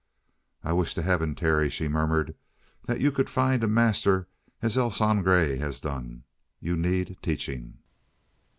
"I wish to heaven, Terry," she murmured, "that you could find a master as El Sangre has done. You need teaching."